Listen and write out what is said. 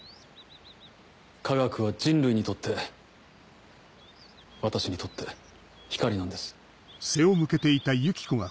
科学は人類にとって私にとって光なんです。